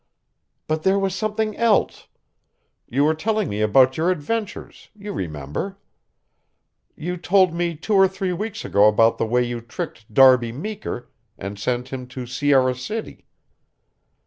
"But there was something else. You were telling me about your adventures, you remember. You told me two or three weeks ago about the way you tricked Darby Meeker and sent him to Sierra City."